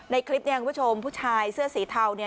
ในคลิปเนี่ยคุณผู้ชมผู้ชายเสื้อสีเทาเนี่ย